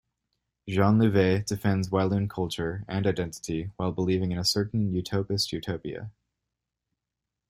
'Jean Louvet defends Walloon culture and identity while believing in a certain utopist utopia'